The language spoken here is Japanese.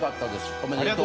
おめでとう。